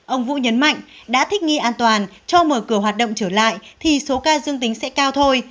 ông vũ nhấn mạnh đã thích nghi an toàn cho mở cửa hoạt động trở lại thì số ca dương tính sẽ cao thôi